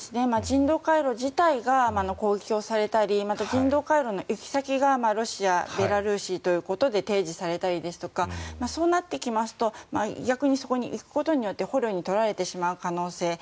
人道回廊自体が攻撃をされたりまた人道回廊の行き先がロシア、ベラルーシということで提示されたりですとかそうなってきますと逆にそこに行くことで捕虜に取られてしまう可能性